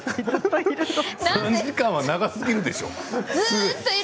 ３時間は長すぎるでしょう。